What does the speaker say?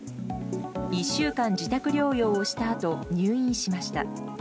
１週間、自宅療養をしたあと入院しました。